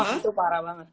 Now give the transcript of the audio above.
itu parah banget